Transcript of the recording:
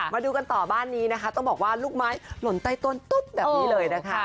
มาดูกันต่อบ้านนี้นะคะต้องบอกว่าลูกไม้หล่นใต้ต้นตุ๊บแบบนี้เลยนะคะ